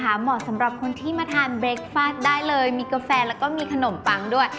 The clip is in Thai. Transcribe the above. เหมาะสำหรับคนที่มาทานเบคฟาดได้เลยมีกาแฟแล้วก็มีขนมปังด้วย